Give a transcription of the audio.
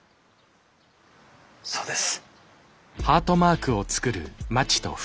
そうです。